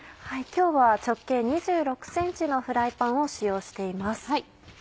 今日は直径２６ｃｍのフライパンを使用しています。